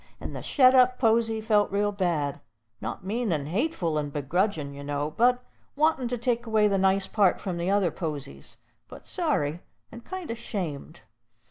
And the shet up posy felt real bad; not mean and hateful and begrudgin', you know, and wantin' to take away the nice part from the other posies, but sorry, and kind o' 'shamed.